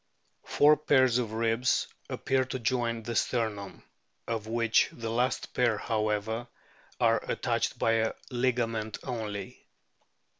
Four pairs of ribs appear to join the sternum, of which the last pair, however, are attached by a ligament only.